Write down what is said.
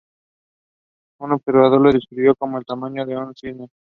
Un observador lo describió como del tamaño de un cisne.